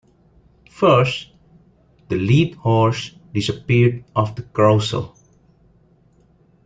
First, the lead horse disappeared off the carousel.